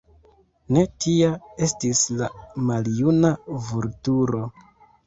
Ne tia estis la maljuna Vulturo.